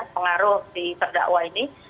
pengaruh di terdakwa ini